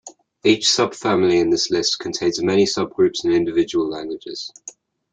Each subfamily in this list contains many subgroups and individual languages.